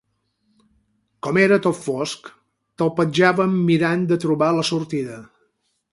Com que era tot fosc, talpejàvem mirant de trobar la sortida.